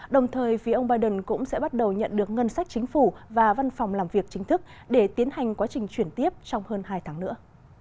đồng thời phía ông biden cũng sẽ bắt đầu nhận được ngân sách chính phủ và văn phòng làm việc chính thức để tiến hành quá trình chuyển tiếp trong hơn hai tháng nữa